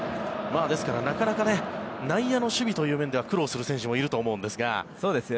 ですから、なかなか内野の守備という面では苦労する選手もいると思うんですが。